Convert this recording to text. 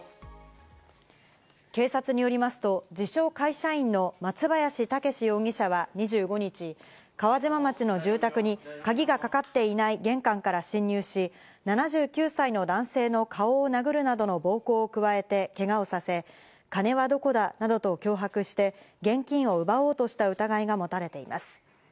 警察によりますと自称・会社員の松林剛士容疑者は２５日、川島町の住宅に鍵がかかっていない玄関から侵入し、７９歳の男性の顔を殴るなどの暴行を加えて、けがをさせ、金はどこだなどと脅迫して、現金を奪おうとした疑いが持たれています。